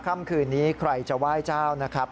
ค่ำคืนนี้ใครจะไหว้เจ้านะครับ